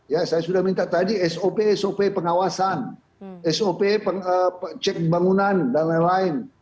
ya saya sudah minta tadi sop sop pengawasan sop cek bangunan dan lain lain